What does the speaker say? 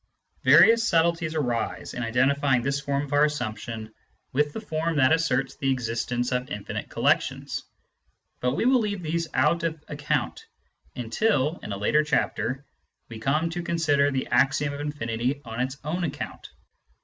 Various subtleties arise in identifying this form of our assumption with 77 78 Introduction to Mathematical Philosophy the form that asserts the existence of infinite collections ; but we will leave these out of account until, in a later chapter, we come to consider the axiom of infinity on its own account.